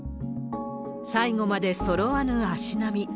最後までそろわぬ足並み。